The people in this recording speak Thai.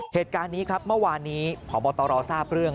เหตุการณ์นี้ครับเมื่อวานนี้พบตรทราบเรื่อง